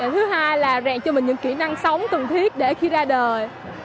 thứ hai là rèn cho mình những kỹ năng sống cần thiết để khi ra đời